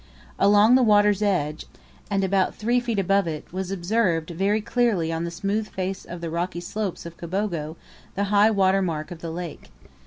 Along the water's edge, and about three feet above it, was observed very clearly on the smooth face of the rocky slopes of Kabogo the high water mark of the lake.